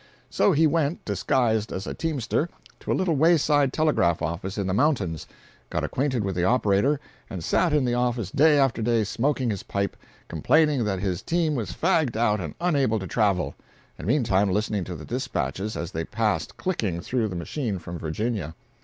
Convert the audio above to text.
So he went, disguised as a teamster, to a little wayside telegraph office in the mountains, got acquainted with the operator, and sat in the office day after day, smoking his pipe, complaining that his team was fagged out and unable to travel—and meantime listening to the dispatches as they passed clicking through the machine from Virginia.